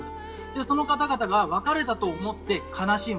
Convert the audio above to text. その方々が別れたと思って悲しむ。